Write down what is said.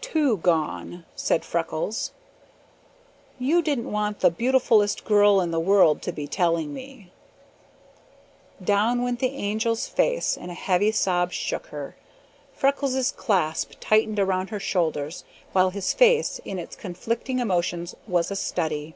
"Two gone," said Freckles. "You didn't want the beautifulest girl in the world to be telling me. " Down went the Angel's face and a heavy sob shook her. Freckles' clasp tightened around her shoulders, while his face, in its conflicting emotions, was a study.